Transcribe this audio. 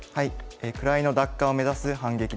「位の奪還を目指す反撃」です。